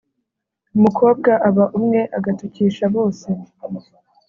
Umukobwa aba umwe agatukisha bose.